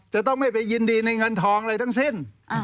จะต้องไม่ไปจินดีในเงินทองหลังสิ้น